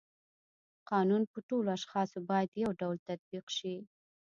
قانون په ټولو اشخاصو باید یو ډول تطبیق شي.